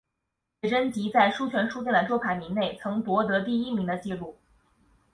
写真集在书泉书店的周排名内曾夺得第一名的纪录。